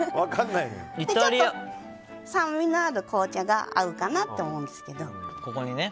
酸味のある紅茶が合うと思うんですけど。